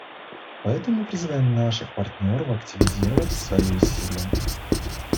Поэтому мы призываем наших партнеров активизировать свои усилия.